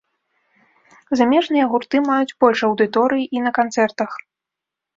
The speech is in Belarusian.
Замежныя гурты маюць больш аўдыторыі і на канцэртах.